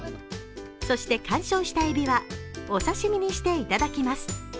そして、観賞したえびはお刺身にしていただきます。